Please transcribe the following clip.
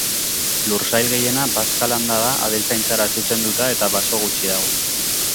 Lursail gehiena bazka-landa da, abeltzaintzara zuzenduta, eta baso gutxi dago.